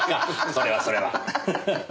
それはそれは。